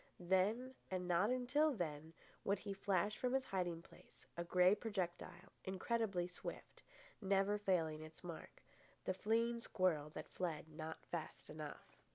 Then, and not until then, would he flash from his hiding place, a grey projectile, incredibly swift, never failing its mark—the fleeing squirrel that fled not fast enough.